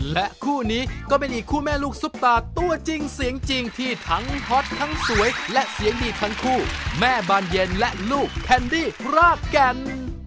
และคู่นี้ก็เป็นอีกคู่แม่ลูกซุปตาตัวจริงเสียงจริงที่ทั้งฮอตทั้งสวยและเสียงดีทั้งคู่แม่บานเย็นและลูกแคนดี้รากแก่น